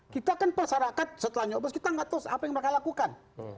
kita kan masyarakat setelah nyoblos kita nggak tahu apa yang mereka lakukan